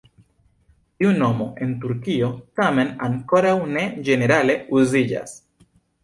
Tiu nomo en Turkio tamen ankoraŭ ne ĝenerale uziĝas.